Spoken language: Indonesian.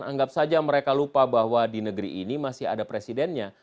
anggap saja mereka lupa bahwa di negeri ini masih ada presidennya